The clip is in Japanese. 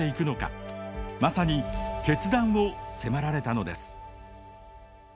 まさに決断を迫られたのです。